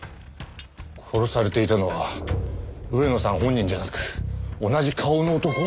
殺されていたのは上野さん本人じゃなく同じ顔の男？